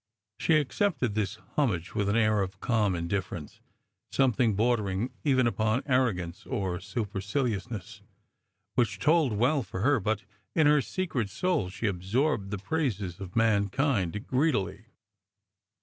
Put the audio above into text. She accepted this homage with an air of calm indifference, something bordering even upon arrogance or supercihousness, which told well for her ; but in her secret soul she absorbed the praises of mankind greedily.